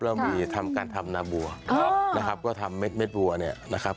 เรามีทำการทำนาบัวครับนะครับก็ทำเม็ดบัวเนี่ยนะครับ